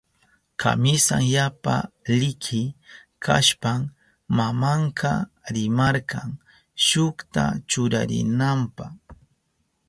Kamisan yapa liki kashpan mamanka rimarka shukta churarinanpa.